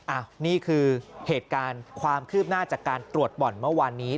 อันนี้คือเหตุการณ์ความคืบหน้าจากการตรวจบ่อนเมื่อวานนี้